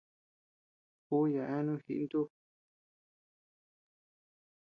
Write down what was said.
Ú yaʼa eanu jiʼi ntú.